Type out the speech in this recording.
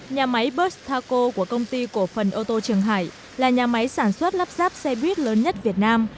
nhà máy bus taco của công ty cổ phần ô tô trường hải là nhà máy sản xuất lắp ráp xe buýt lớn nhất việt nam